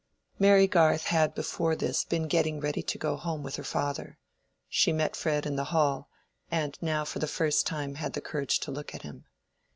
Mary Garth had before this been getting ready to go home with her father. She met Fred in the hall, and now for the first time had the courage to look at him.